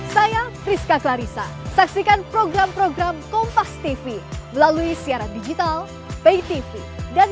saya priska clarissa saksikan program program kompas tv melalui siaran digital pay tv dan